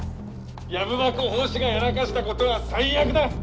藪箱法師がやらかしたことは最悪だッ！